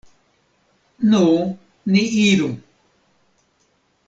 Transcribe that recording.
Nu, ni iru.